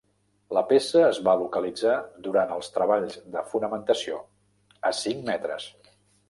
La peça es va localitzar durant els treballs de fonamentació, a cinc metres.